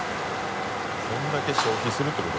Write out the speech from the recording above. これだけ消費するって事。